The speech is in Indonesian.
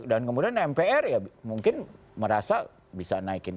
dan kemudian mpr ya mungkin merasa bisa naikin